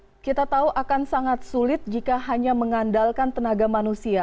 oke kita tahu akan sangat sulit jika hanya mengandalkan tenaga manusia